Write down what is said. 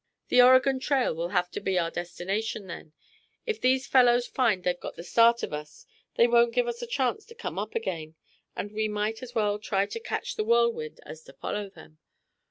"The Oregon trail will have to be our destination, then. If these fellows find they've got the start of us, they won't give us a chance to come up again, and we might as well try to catch the whirlwind as to follow them.